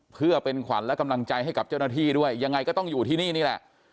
เพื่อเป็นขวัญและกำลังใจให้กับเจ้าหน้าที่ด้วยยังไงก็ต้องอยู่ที่นี่นี่แหละ